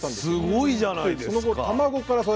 すごいじゃないですか。